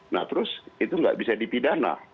nah terus itu nggak bisa dipidana